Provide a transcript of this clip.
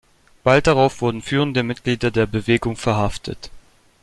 Bald darauf wurden führende Mitglieder der Bewegung verhaftet.